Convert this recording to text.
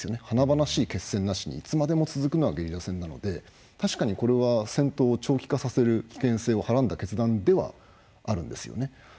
華々しい決戦なしにいつまでも続くのがゲリラ戦なので確かにこれは戦闘を長期化させる危険性をはらんだ決断ではあるんですよね。